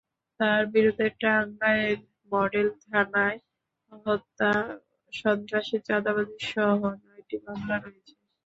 তাঁর বিরুদ্ধে টাঙ্গাইল মডেল থানায় হত্যা, সন্ত্রাসী, চাঁদাবাজিসহ নয়টি মামলা রয়েছে।